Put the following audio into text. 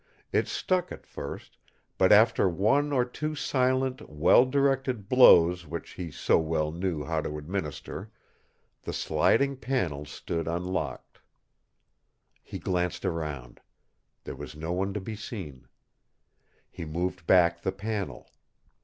It stuck at first, but after one or two silent, well directed blows which he so well knew how to administer the sliding panel stood unlocked. He glanced around. There was no one to be seen. He moved back the panel.